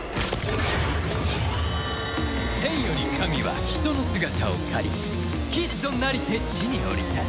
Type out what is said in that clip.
天より神は人の姿を借り騎士となりて地に降り立つ。